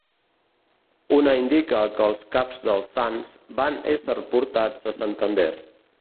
Una indica que els caps dels sants van ésser portats a Santander.